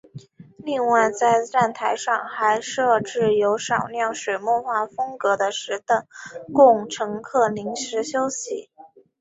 另外在站台上还设置有少量水墨画风格的石凳供乘客临时休息。